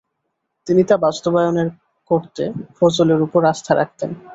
তিনি তা বাস্তবায়ন করতে ফজলের উপর আস্থা রাখতেন।